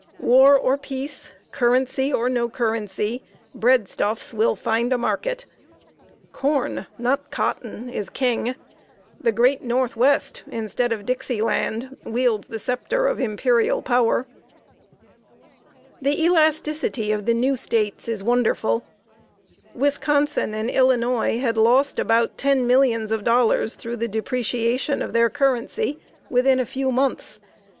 War or peace, currency or no currency, breadstuffs will find a market. Corn, not cotton, is king; the great Northwest, instead of Dixie Land, wields the sceptre of imperial power. The elasticity of the new States is wonderful. Wisconsin and Illinois had lost about ten millions of dollars through the depreciation of their currency within a few months.